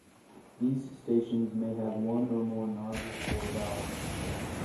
These stations may have one or more nozzles or valves.